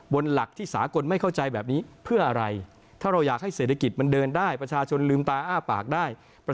บนหลักที่สากลไม่เข้าใจแบบนี้เพื่ออะไร